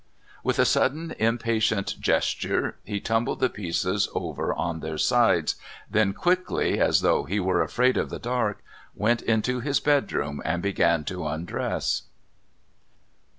With a sudden impatient gesture he tumbled the pieces over on to their sides, then quickly, as though he were afraid of the dark, went into his bedroom and began to undress.